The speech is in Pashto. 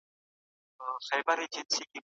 موږ بايد د سياست په اړه له علمي اصولو کار واخلي.